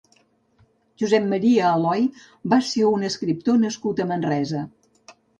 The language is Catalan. Josep Maria Aloy va ser un escriptor nascut a Manresa.